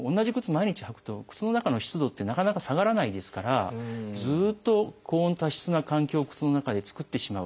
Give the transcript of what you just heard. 毎日履くと靴の中の湿度ってなかなか下がらないですからずっと高温多湿な環境を靴の中で作ってしまうと。